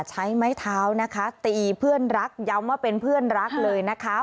ใช้ไม้เท้านะคะตีเพื่อนรักย้ำว่าเป็นเพื่อนรักเลยนะคะ